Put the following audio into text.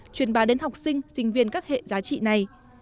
truyền bá đến học sinh sinh viên các hệ giá trị này